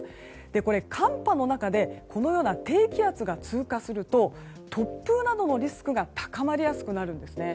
これ、寒波の中でこのような低気圧が通過すると突風などのリスクが高まりやすくなるんですね。